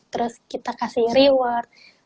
terus kita kasih reward